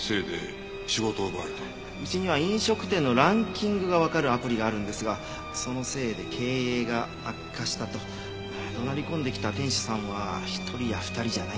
うちには飲食店のランキングがわかるアプリがあるんですがそのせいで経営が悪化したと怒鳴り込んできた店主さんは１人や２人じゃないんですよ。